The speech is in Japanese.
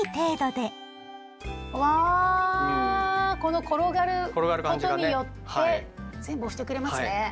うわこの転がることによって全部押してくれますね。